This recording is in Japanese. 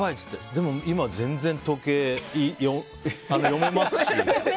でも今、全然、時計読めますし。